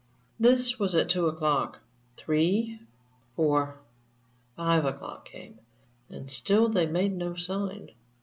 This was at two o'clock. Three, four, five o'clock came, and still they made no sign.